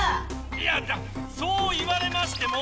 いやそう言われましても。